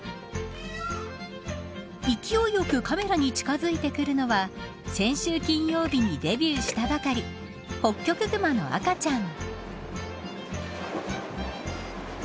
勢いよくカメラに近づいてくるのは先週金曜日にデビューしたばかりホッキョクグマの赤ちゃん。